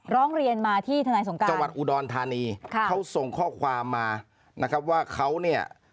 ฆ่าเรียนมาที่ทำไมสูงปรากฆอุดรธานีเขาส่งข้อความมานะครับว่าเขาเนี้ย